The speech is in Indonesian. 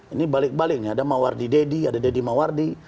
ini balik baliknya ada mawardi deddy ada deddy mawardi